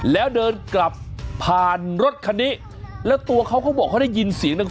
แล้วเดินกลับผ่านรถคันนี้แล้วตัวเขาก็บอกเขาได้ยินเสียงดัง